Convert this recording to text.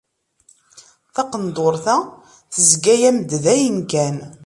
Taqendurt-a tezga-yam-d dayen kan!